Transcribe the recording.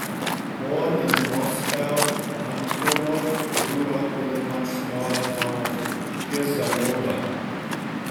Born in Moscow, Antonov grew up in the much smaller town of Kirsanov.